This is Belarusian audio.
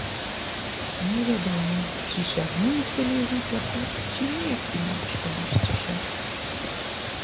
І невядома, ці цягнуць далей гутарку, ці неяк інакш абысціся.